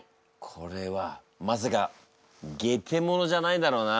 これはまさかゲテモノじゃないだろうな。